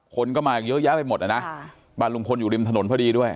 คนก็มาเยอะแยะไปหมดนะบ้านลุงพลอยู่ริมถนนพอดีด้วย